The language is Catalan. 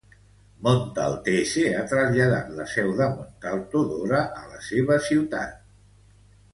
Montaltese ha traslladat la seu de Montalto Dora a la seva ciutat.